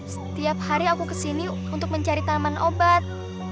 setiap hari aku kesini untuk mencari tanaman obat